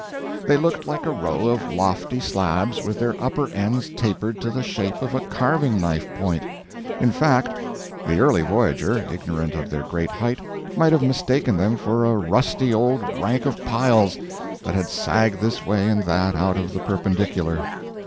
They looked like a row of lofty slabs with their upper ends tapered to the shape of a carving knife point; in fact, the early voyager, ignorant of their great height, might have mistaken them for a rusty old rank of piles that had sagged this way and that out of the perpendicular.